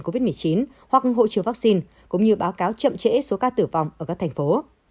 nhật bản sẽ không xét nghiệm covid một mươi chín hoặc hỗ trợ vaccine cũng như báo cáo chậm trễ số ca tử vong ở các thành phố